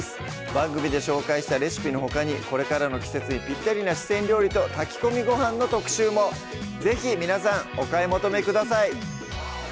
番組で紹介したレシピのほかにこれからの季節にぴったりな四川料理と炊き込みごはんの特集も是非皆さんお買い求めください